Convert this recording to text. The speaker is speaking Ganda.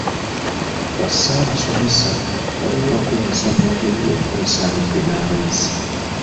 Bassaabasomesa balina okweyisa mu ngeri yokka esaanidde n'abayizi.